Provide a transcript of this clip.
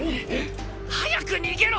早く逃げろ！